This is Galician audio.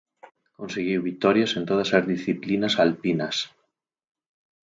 Conseguiu vitorias en todas as disciplinas alpinas.